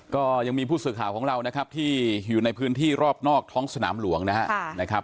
ก็ยังมีผู้สื่อข่าวของเรานะครับที่อยู่ในพื้นที่รอบนอกท้องสนามหลวงนะครับ